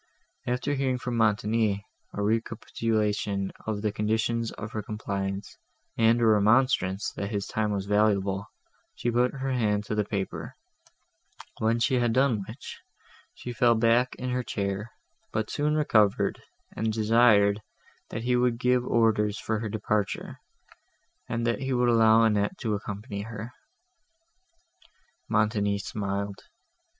After hearing from Montoni a recapitulation of the conditions of her compliance, and a remonstrance, that his time was valuable, she put her hand to the paper; when she had done which, she fell back in her chair, but soon recovered, and desired, that he would give orders for her departure, and that he would allow Annette to accompany her. Montoni smiled.